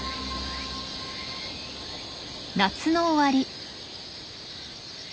夏の終わり。